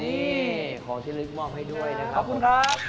นี่ของที่ลึกมอบให้ด้วยนะครับขอบคุณครับ